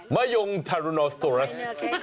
มะย่มไทรนอสโทรัส